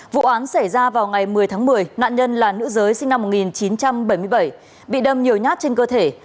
vụ án xảy ra vào ngày một mươi tháng một mươi nạn nhân là nữ giới sinh năm một nghìn chín trăm bảy mươi bảy bị đâm nhiều nhát trên cơ thể